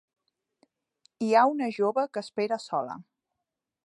Hi ha una jove que espera sola.